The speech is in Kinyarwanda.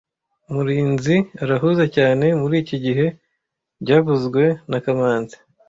Murinzi arahuze cyane muriki gihe byavuzwe na kamanzi